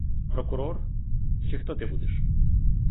Прокурор, чи хто ти будеш?